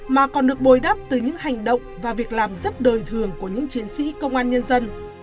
mà còn được bồi đắp từ những hành động và việc làm rất đời thường của những chiến sĩ công an nhân dân